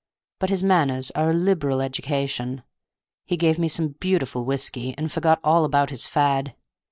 But his manners are a liberal education. He gave me some beautiful whiskey, and forgot all about his fad.